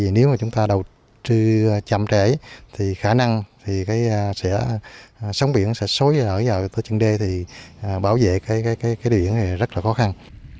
nếu chúng ta đầu tư chậm trễ khả năng sống biển sẽ xối vào chân đê bảo vệ đề biển rất khó khăn